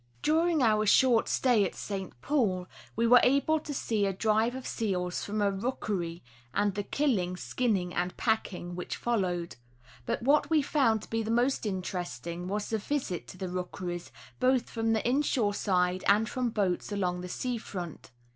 During our short stay at St. Paul we were able to see a drive of seals from a rookery and the killing, skinning, and packing, which followed; but what we found to be the most interesting was the visit to the rookeries, both from the inshore side and from boats along the sea front.